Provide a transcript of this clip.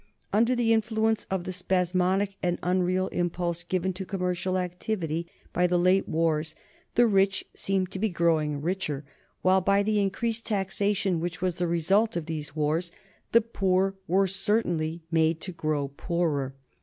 Under the influence of the spasmodic and unreal impulse given to commercial activity by the late wars the rich seemed to be growing richer, while by the increased taxation which was the result of these wars the poor were certainly made to grow poorer.